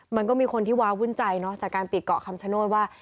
มันก็มีคนที่ว้าวุ่นใจเนอะจากการปิดเกาะคำชโนธว่า